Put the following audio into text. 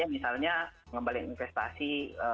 misalnya pengembalian investasi